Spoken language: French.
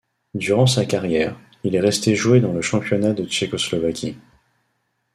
Durant sa carrière, il est resté jouer dans le championnat de Tchécoslovaquie.